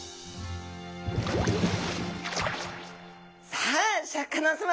さあシャーク香音さま